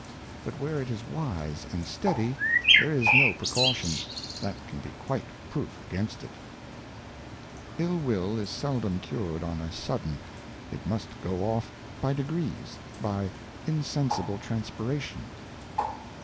But where it is wise and steady, there is no Precaution, that can be quite Proof against it. lU will is seldom cured on a sudden, it must go off by degrees, by insensible Transpiration.